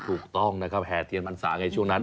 ถูกต้องนะครับแห่เทียนพรรษาไงช่วงนั้น